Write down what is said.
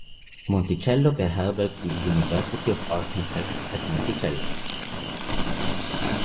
Monticello beherbergt die University of Arkansas at Monticello.